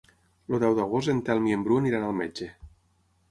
El deu d'agost en Telm i en Bru aniran al metge.